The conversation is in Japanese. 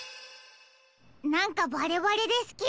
なんかバレバレですけど。